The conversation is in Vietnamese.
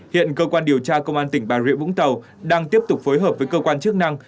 hiện cơ quan điều tra công an tỉnh bà rịa vũng tàu đang tiếp tục phối hợp với cơ quan chức năng